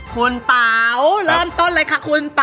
คุณเป๋าเริ่มต้นเลยค่ะคุณ